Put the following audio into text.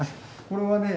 これはね